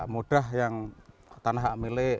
mudah yang tanah hak milik